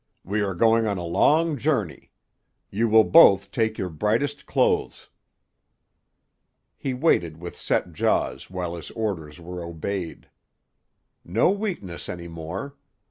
We are going on a long journey. You will both take your brightest clothes." He waited with set jaws while his orders were obeyed. No weakness any more.